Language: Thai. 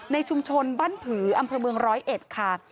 ในชุมชนบ้านผืออำเภอเมืองร้อยเอ็ดค่ะ